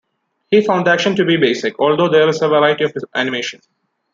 He found the action to be basic, although there is a variety of animation.